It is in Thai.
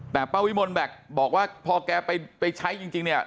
แต่ป้าวิมลบอกว่าพอแกไปใช้จริง